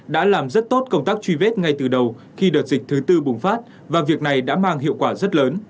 đã làm rất tốt công tác truy vết ngay từ đầu khi đợt dịch thứ tư bùng phát và việc này đã mang hiệu quả rất lớn